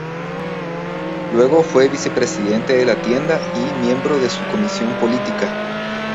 Luego fue vicepresidente de la tienda y miembro de su Comisión Política.